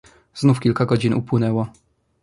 "Znów kilka godzin upłynęło."